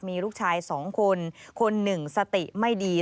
มีลูกชาย๒คนคนหนึ่งสติไม่ดี